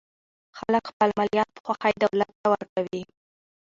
خلک خپل مالیات په خوښۍ دولت ته ورکوي.